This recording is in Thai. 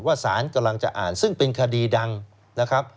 สารกำลังจะอ่านซึ่งเป็นคดีดังนะครับ